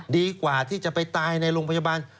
ดีกว่าที่จะไปตายในโรงพยาบาล